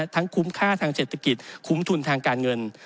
คุ้มค่าทางเศรษฐกิจคุ้มทุนทางการเงิน